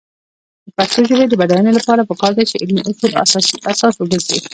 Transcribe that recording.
د پښتو ژبې د بډاینې لپاره پکار ده چې علمي اصول اساس وګرځي.